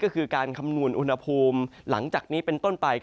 ก็คือการคำนวณอุณหภูมิหลังจากนี้เป็นต้นไป